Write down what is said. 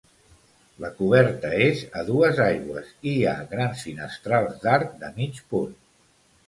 La coberta és a dues aigües i hi ha grans finestrals d'arc de mig punt.